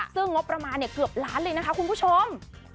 ซึ่งงบประมาณเกือบล้านเลยนะคะคุณผู้ชม